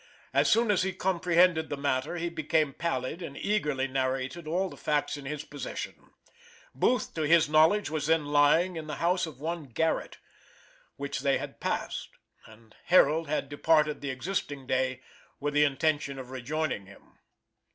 As soon as he comprehended the matter he became pallid and eagerly narrated all the facts in his possession. Booth, to his knowledge, was then lying at the house of one Garrett, which they had passed, and Harold had departed the existing day with the intention of rejoining him.